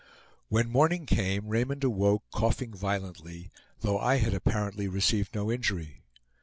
When morning came, Raymond awoke, coughing violently, though I had apparently received no injury.